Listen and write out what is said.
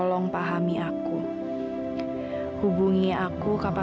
sumpah baik aku ni numpas ikut n starve